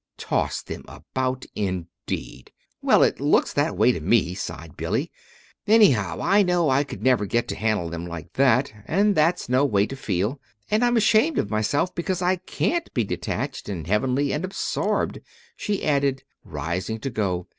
"Toss them about, indeed!" "Well, it looks that way to me," sighed Billy. "Anyhow, I know I can never get to handle them like that and that's no way to feel! And I'm ashamed of myself because I can't be detached and heavenly and absorbed," she added, rising to go.